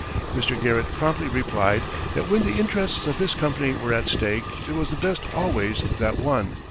Mr. Garrett promptly replied that when the interests of his company were at stake it was the best always that won.